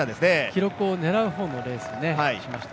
記録を狙う方のレースにしました。